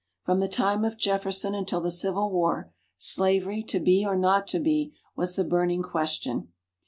From the time of Jefferson until the Civil War, slavery to be or not to be, was the burning question.